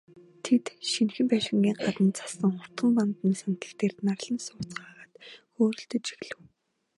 Тэд, шинэхэн байшингийн гадна зассан уртхан бандан сандал дээр нарлан сууцгаагаад хөөрөлдөж эхлэв.